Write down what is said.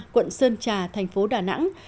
quận sơn trà thành phố đà nẵng